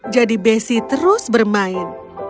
jadi bessie terus bermain